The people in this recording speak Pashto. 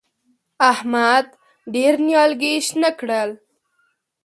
احمد ډېر نيالګي شنه کړل.